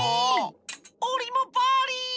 オリもパーリー！